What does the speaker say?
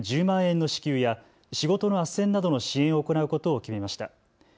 １０万円の支給や仕事のあっせんなどの支援を行うことを決めました。